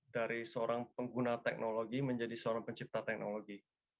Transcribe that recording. dari seorang pengguna teknologi menjadi seorang pencipta teknologi